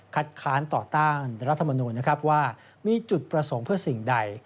ค้านต่อต้านรัฐมนูลนะครับว่ามีจุดประสงค์เพื่อสิ่งใด